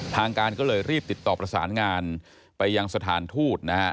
ทางการก็เลยรีบติดต่อประสานงานไปยังสถานทูตนะฮะ